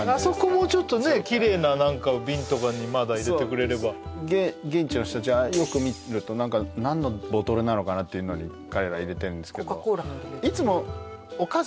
もうちょっとねキレイな何か瓶とかにまだ入れてくれれば現地の人たちはよく見ると何か何のボトルなのかなっていうのに彼ら入れてるんですけどいつもお母さん